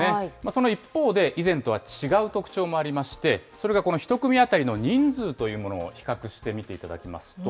その一方で、以前とは違う特徴もありまして、それがこの１組当たりの人数というものを比較して見ていただきますと。